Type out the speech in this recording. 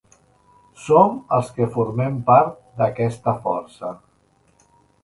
Som els que formem part d’aquesta força.